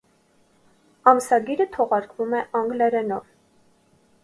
Ամսագիրը թողարկվում է անգլերենով։